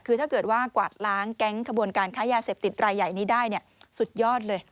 คือถ้าเกิดว่ากวาดล้างแก๊งขบวนการค้ายาเสพติดรายใหญ่นี้ได้สุดยอดเลย